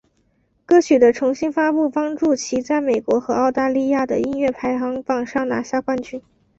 歌曲的重新发布帮助其在美国和澳大利亚的音乐排行榜上拿下冠军。